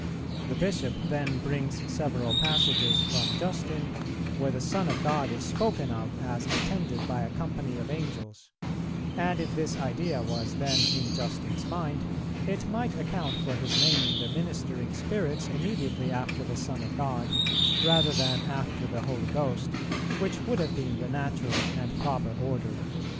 The bishop then brings several passages from Justin, where the Son of God is spoken of as attended by a company of Angels; and if this idea was then in Justin's mind, it might account for his naming the ministering spirits immediately after the Son of God, rather than after the Holy Ghost, which would have been the natural and proper order."